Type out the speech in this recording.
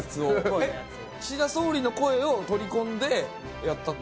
岸田総理の声を取り込んでやったんですか？